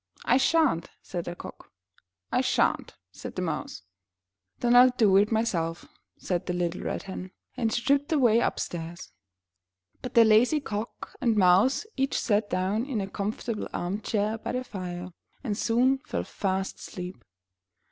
*'I shan't," said the Cock. *'I shan't," said the Mouse. 'Then I'll do it myself," said the little Red Hen. And she tripped away upstairs. But the lazy Cock and Mouse each sat down in a comfortable arm chair by the fire, and soon fell fast asleep.